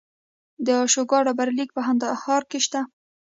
د اشوکا ډبرلیک په کندهار کې شته